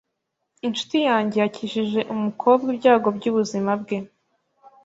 Inshuti yanjye yakijije umukobwa ibyago byubuzima bwe.